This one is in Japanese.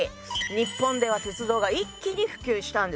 日本では鉄道が一気に普及したんです。